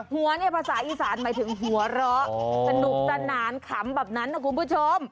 หัวเนี่ยภาษาอีสานหมายถึงหัวเราะสนุกสนานขำแบบนั้นนะคุณผู้ชม